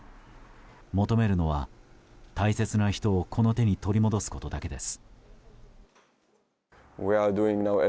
求めるのは、大切な人をこの手に取り戻すことだけです。